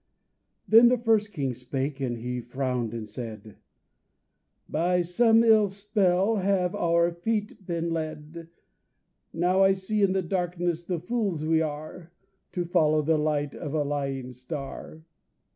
Then the first king spake and he frowned and said: "By some ill spell have our feet been led, "Now I see in the darkness the fools we are To follow the light of a lying star.